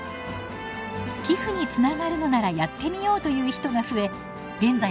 寄付につながるのならやってみようという人が増え現在